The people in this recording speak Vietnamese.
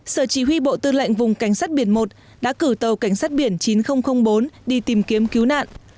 sở chỉ huy bộ tư lệnh vùng cảnh sát biển một đã cử tàu cảnh sát biển chín nghìn bốn đi tìm kiếm cứu nạn